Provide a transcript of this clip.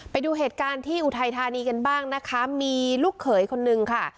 ไปดูเหตุการณ์ที่อุทัยธานีกันบ้างนะคะมีลูกเขยคนนึงค่ะ